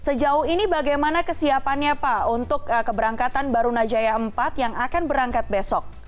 sejauh ini bagaimana kesiapannya pak untuk keberangkatan barunajaya empat yang akan berangkat besok